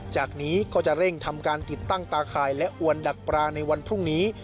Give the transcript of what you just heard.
จากนี้ก็จะเร่งทำการติดตั้งตาข่ายและอวนดักปลาในวันพรุ่งนี้